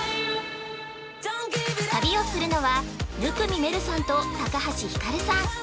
旅をするのは生見めるさんと●橋ひかるさん。